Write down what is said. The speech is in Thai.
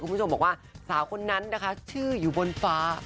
คุณผู้ชมบอกว่าสาวคนนั้นนะคะชื่ออยู่บนฟ้า